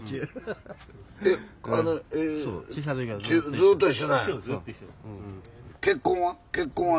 ずっと一緒なんや。